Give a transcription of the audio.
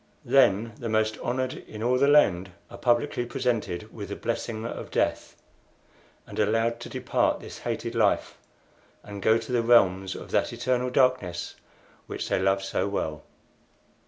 Then the most honored in all the land are publicly presented with the blessing of death, and allowed to depart this hated life, and go to the realms of that eternal darkness which they love so well.